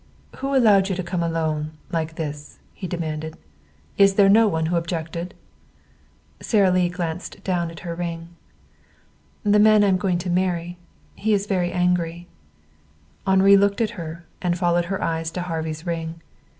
"Who allowed you to come, alone, like this?" he demanded. "Is there no one who objected?" Sara Lee glanced down at her ring. "The man I am going to marry. He is very angry." Henri looked at her, and followed her eyes to Harvey's ring.